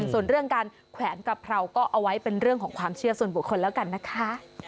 ส่วนเรื่องการแขวนกะเพราก็เอาไว้เป็นเรื่องของความเชื่อส่วนบุคคลแล้วกันนะคะ